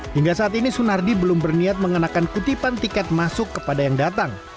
hingga saat ini sunardi belum berniat mengenakan kutipan tiket masuk kepada yang datang